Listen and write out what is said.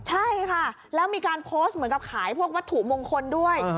ใช่ค่ะแล้วมีการโพสต์เหมือนกับขายพวกวัตถุมงคลด้วย